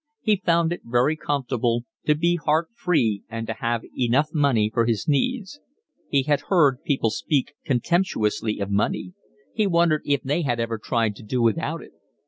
He found it very comfortable to be heart free and to have enough money for his needs. He had heard people speak contemptuously of money: he wondered if they had ever tried to do without it.